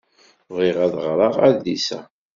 Bɣiɣ ad ɣreɣ adlis-a.